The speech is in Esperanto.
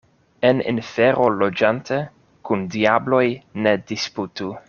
En infero loĝante, kun diabloj ne disputu.